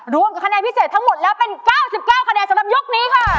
รวมกับคะแนนพิเศษทั้งหมดแล้วเป็น๙๙คะแนนสำหรับยกนี้ค่ะ